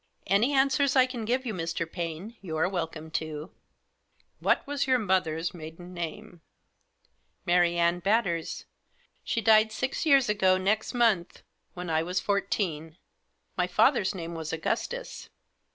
" Any answers I can give you, Mr. Paine, you are welcome to." " What was your mother's maiden name ?"" Mary Ann Batters. She died six years ago next month, when I was fourteen. My father's name was Augustus.